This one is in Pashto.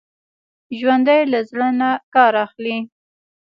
ژوندي له زړه نه کار اخلي